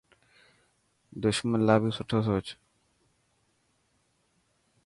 دشمن لاءِ بهي سٺو سوچ.